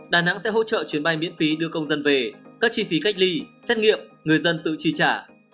đà nẵng sẽ hỗ trợ chuyến bay miễn phí đưa công dân về các chi phí cách ly xét nghiệm người dân tự chi trả